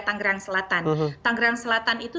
tangerang selatan tangerang selatan itu